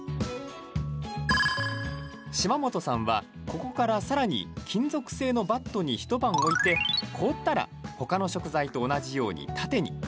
島本さんは、ここからさらに金属製のバットに一晩置いて凍ったらほかの食材と同じように縦に。